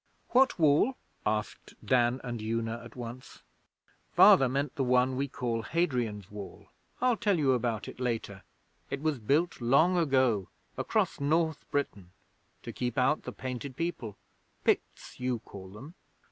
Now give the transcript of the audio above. "' 'What Wall?' asked Dan and Una at once. 'Father meant the one we call Hadrian's Wall. I'll tell you about it later. It was built long ago, across North Britain, to keep out the Painted People Picts, you call them.